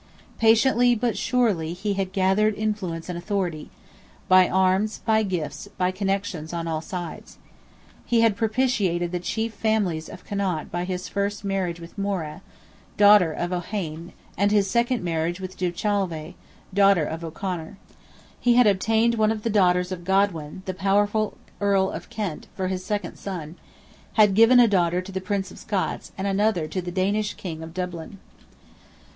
Patiently but surely he had gathered influence and authority, by arms, by gifts, by connections on all sides. He had propitiated the chief families of Connaught by his first marriage with More, daughter of O'Heyne, and his second marriage with Duvchalvay, daughter of O'Conor. He had obtained one of the daughters of Godwin, the powerful Earl of Kent, for his second son; had given a daughter to the Prince of Scots, and another to the Danish King of Dublin.